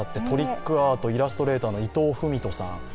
トリックアート、イラストレーターの伊藤文人さん。